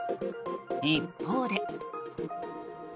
一方で。